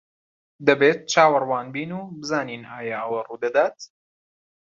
دەبێت چاوەڕوان بین و بزانین ئایا ئەوە ڕوودەدات.